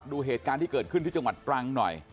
ดูเหตุการณ์ที่เกิดขึ้นที่จังหวัดตรังหน่อย